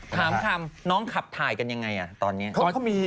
ถามคำน้องขับถ่ายกันยังไงตอนนี้